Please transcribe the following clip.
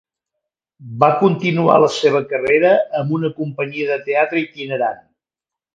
Va continuar la seva carrera amb una companyia de teatre itinerant.